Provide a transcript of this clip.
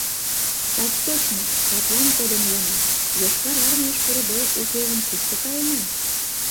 — Так точно, садлан кодын улына: Йошкар армийыш пурыде, уке гын кушко каена?